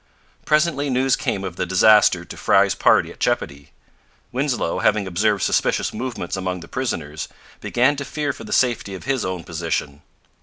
Presently news came of the disaster to Frye's party at Chepody. Winslow, having observed suspicious movements among the prisoners, began to fear for the safety of his own position.